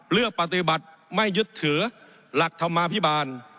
เลือกปฏิบัติไม่ยึดถือหลักธรรมาภิบาล